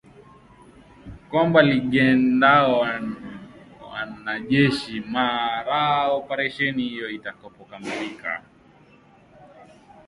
kwamba lingeondoa wanajeshi mara operesheni hiyo itakapokamilika